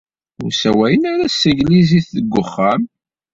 Ur ssawalen s tanglizit deg wexxam.